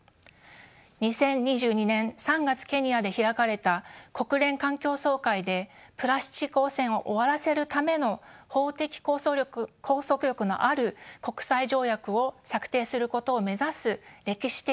２０２２年３月ケニアで開かれた国連環境総会でプラスチック汚染を終わらせるための法的拘束力のある国際条約を策定することを目指す歴史的な決議が採択されました。